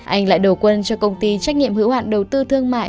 anh lại đầu quân cho công ty trách nhiệm hữu hạn đầu tư thương mại